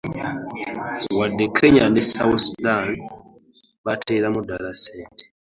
Wadde Kenya ne South Sudan bateeramu ddala ssente.